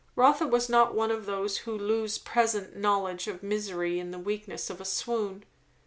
Rotha was not one of those who lose present knowledge of misery in the weakness of a swoon.